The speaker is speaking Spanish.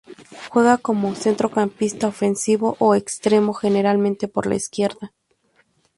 Juega como centrocampista ofensivo o extremo, generalmente por la izquierda.